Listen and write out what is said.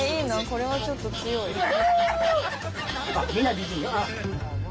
これはちょっと強い。